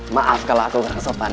maaf kalau aku gak sopan